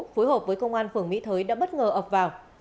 phối hợp với công an phường mỹ thới đã bất ngờ ập vào